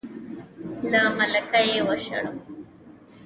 له ملکه یې وشړم.